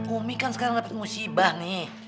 umi kan sekarang dapat musibah nih